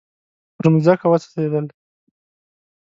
پر مځکه وڅڅیدل